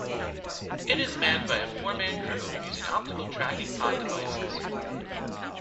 It is manned by a four-man crew using Optical Tracking Pod devices.